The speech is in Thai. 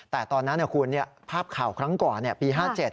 แต่ตอนนั้นคุณภาพข่าวครั้งก่อนปี๕๗